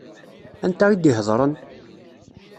Anta i d-iheḍṛen?